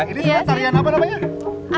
ini carian apa namanya